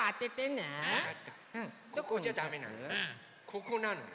ここなのよ。